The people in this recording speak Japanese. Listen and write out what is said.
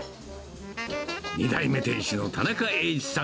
２代目店主の田中栄一さん